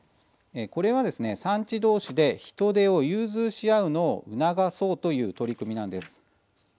これは産地同士で人手を融通し合うのを促そうという取り組みなんです。